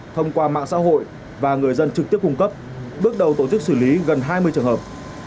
thông qua mạng xã hội và người dân trực tiếp cung cấp bước đầu tổ chức xử lý gần hai mươi trường hợp